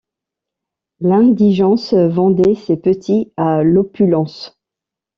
L’indigence vendait ses petits à l’opulence.